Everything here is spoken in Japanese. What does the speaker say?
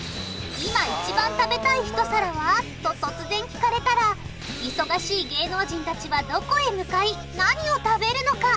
「いま一番食べたい一皿は？」と突然聞かれたら忙しい芸能人たちはどこへ向かい何を食べるのか？